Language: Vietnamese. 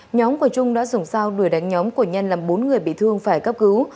nhóm của trung đã dùng sao đuổi đánh nhóm của nhân làm bốn người bị thương phải cấp cứu